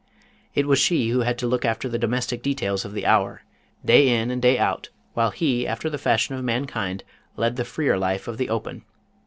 It was she who had to look after the domestic details of the hour, day in and day out, while he after the fashion of mankind, led the freer life of the open.